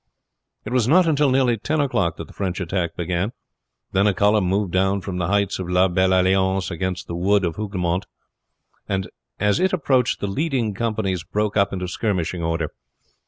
It was not until nearly ten o'clock that the French attack began; then a column moved down from the heights of La Belle Alliance against the wood of Hougoumont, and as it approached the leading companies broke up into skirmishing order.